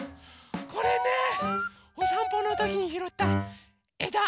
これねおさんぽのときにひろったえだ。